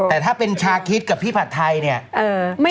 แต่ถ้าเป็นชาคิดกับพี่ผัดไทยเนี่ย